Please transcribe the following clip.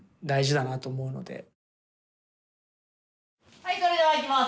はい、それではいきます。